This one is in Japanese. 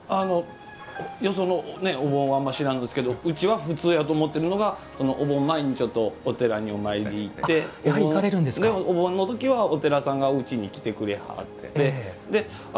よそのお盆はあまり知らんですけどうちは普通やと思っているのはお盆前にお寺にお参りに行ってお盆のときはお寺さんがうちに来てくれはって。